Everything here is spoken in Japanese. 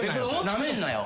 なめんなよ。